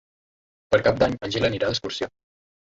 Per Cap d'Any en Gil anirà d'excursió.